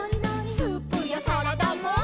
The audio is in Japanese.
「スープやサラダも？」